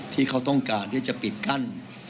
ที่เขาต้องการที่จะปิดกั้น